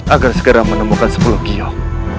agar segera menemukan sepuluh kiong